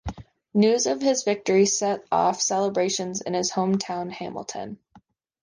News of his victory set off celebrations in his home town Hamilton.